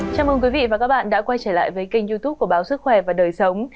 chào mừng quý vị và các bạn đã quay trở lại với kênh youtube của báo sức khỏe và đời sống